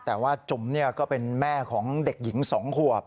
แต่ว่าจุ๋มก็เป็นแม่ของเด็กหญิง๒ขวบ